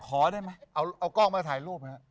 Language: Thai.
ขอได้ไหมเอากล้องมาถ่ายรูปนะครับ